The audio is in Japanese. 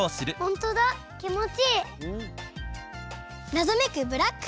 なぞめくブラック